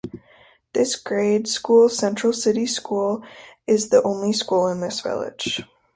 The grade school, Central City School, is the only school in this village.